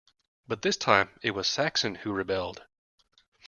But this time it was Saxon who rebelled.